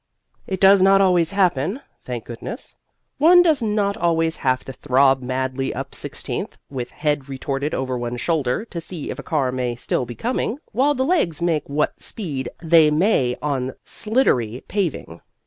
It does not always happen, thank goodness. One does not always have to throb madly up Sixteenth, with head retorted over one's shoulder to see if a car may still be coming, while the legs make what speed they may on sliddery paving.